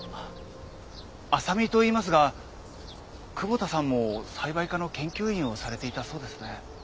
浅見といいますが窪田さんも栽培科の研究員をされていたそうですね。